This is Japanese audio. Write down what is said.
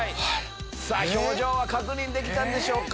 表情は確認できたんでしょうか？